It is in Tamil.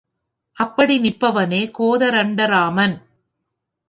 அப்படி நிற்பவனே கோதரண்டராமன்.